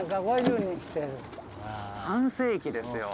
半世紀ですよ。